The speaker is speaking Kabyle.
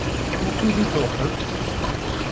Wukud i tṛuḥemt?